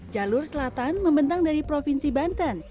jalur selatan membentang dari provinsi banten